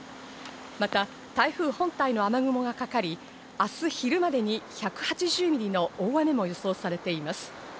また台風本体の雨雲がかかり、明日昼までに１８０ミリの大雨も予想されています。